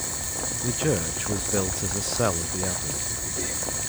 The church was built as a "cell" of the abbey.